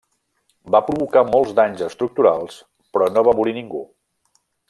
Va provocar molts danys estructurals, però no va morir ningú.